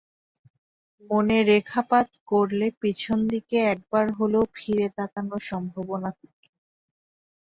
মনে রেখাপাত করলে পিছন দিকে একবার হলেও ফিরে তাকানোর সম্ভাবনা থাকে।